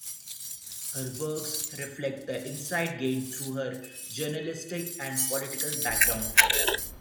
Her works reflect the insight gained through her journalistic and political background.